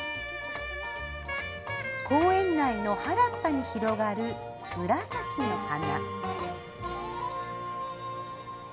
公園内の原っぱに広がる、紫の花。